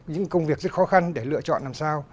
những công việc rất khó khăn để lựa chọn làm sao